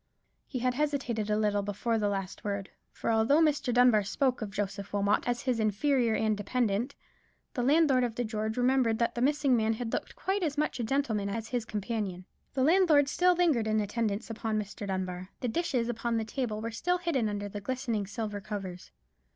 He had hesitated a little before the last word; for although Mr. Dunbar spoke of Joseph Wilmot as his inferior and dependant, the landlord of the George remembered that the missing man had looked quite as much a gentleman as his companion. The landlord still lingered in attendance upon Mr. Dunbar. The dishes upon the table were still hidden under the glistening silver covers.